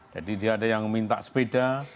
jadi dia ada yang minta sepeda